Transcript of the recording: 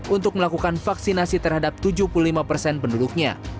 untuk melakukan vaksinasi terhadap tujuh puluh lima persen penduduknya